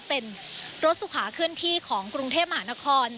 เป็นรถสุขาเคลื่อนที่ของกรุงเทพมหานคร